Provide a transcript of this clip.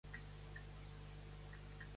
Aeropuerto Capitán de Av.